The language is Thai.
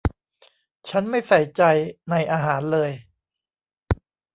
ฉันไม่ใส่ใจในอาหารเลย